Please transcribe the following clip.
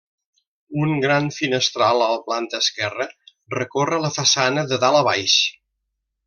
Un gran finestral a la planta esquerra recorre la façana de dalt a baix.